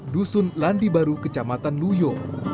dusun landi baru kecamatan luyo